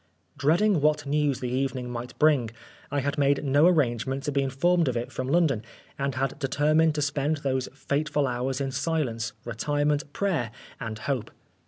Dreading what news the evening might bring, I had made no arrangement to be informed of it from London, and had determined to spend those fateful hours in silence, retirement, prayer, and hope.